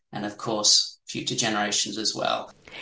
dan tentu saja generasi depan juga